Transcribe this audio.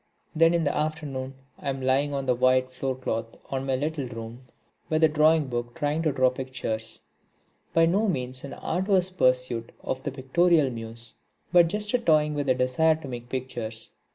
Then in the afternoon I am lying on the white floorcloth of my little room, with a drawing book trying to draw pictures, by no means an arduous pursuit of the pictorial muse, but just a toying with the desire to make pictures.